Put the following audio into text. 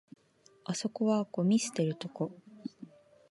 あそこはゴミ捨てるとこ